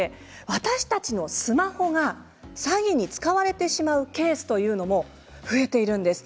私たちのスマホが詐欺に使われてしまうケースというのがあります。